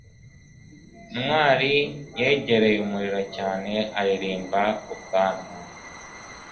ntwali yegereye umuriro cyane aririmba ubwanwa